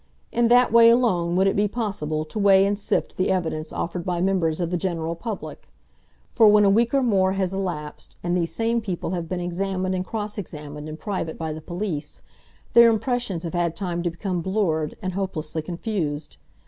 In that way alone would it be possible to weigh and sift the evidence offered by members of the general public. For when a week or more has elapsed, and these same people have been examined and cross examined in private by the police, their impressions have had time to become blurred and hopelessly confused.